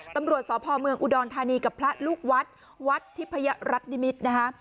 ตำรวจสพเมืองอุดรธานีกับพระลูกวัดวัดทิพยรัฐนิมิตรนะคะ